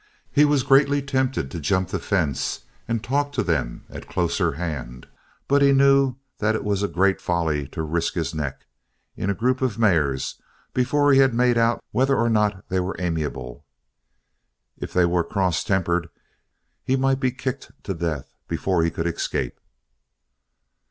He was greatly tempted to jump the fence and talk to them at closer hand but he knew that it was great folly to risk his neck in a group of mares before he had made out whether or not they were amiable. If they were cross tempered he might be kicked to death before he could escape.